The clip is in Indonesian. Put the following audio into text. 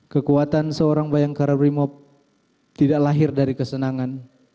kekuatan seorang bayangkara brimob tidak lahir dari kesenangan